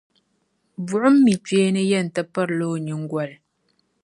BuɣumMi'kpeeni yεn ti pirila o nyiŋgoli ni.